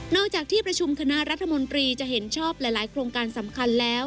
จากที่ประชุมคณะรัฐมนตรีจะเห็นชอบหลายโครงการสำคัญแล้ว